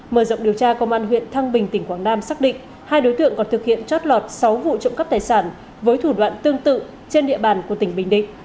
mở rộng điều tra công an huyện thăng bình tỉnh quảng nam xác định hai đối tượng còn thực hiện chót lọt sáu vụ trộm cắp tài sản với thủ đoạn tương tự trên địa bàn của tỉnh bình định